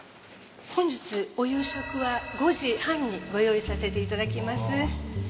本日お夕食は５時半にご用意させて頂きます。